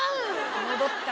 戻った。